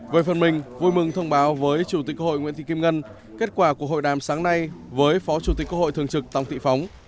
về phần mình vui mừng thông báo với chủ tịch hội nguyễn thị kim ngân kết quả của hội đàm sáng nay với phó chủ tịch quốc hội thường trực tổng tị phóng